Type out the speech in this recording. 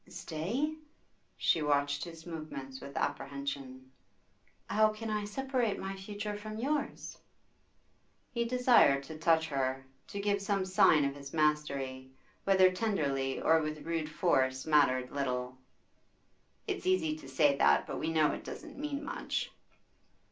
'Stay?' She watched his movements with apprehension. 'How can I separate my future from yours?' He desired to touch her, to give some sign of his mastery, whether tenderly or with rude force mattered little. 'It's easy to say that, but we know it doesn't mean much.